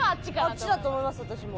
あっちだと思います私も。